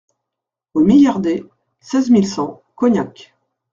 Rue Millardet, seize mille cent Cognac